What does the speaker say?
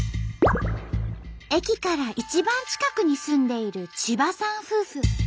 駅から一番近くに住んでいる千葉さん夫婦。